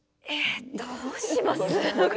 えどうします？